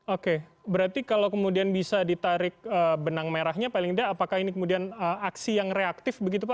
oke berarti kalau kemudian bisa ditarik benang merahnya paling tidak apakah ini kemudian aksi yang reaktif begitu pak